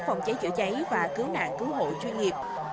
phòng cháy chữa cháy và cứu nạn cứu hộ chuyên nghiệp